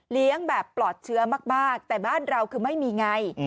แบบปลอดเชื้อมากแต่บ้านเราคือไม่มีไง